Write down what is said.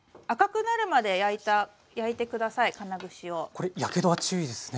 これやけどは注意ですね。